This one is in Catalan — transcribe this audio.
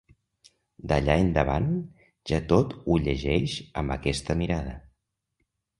D'allà endavant, ja tot ho llegeix amb aquesta mirada.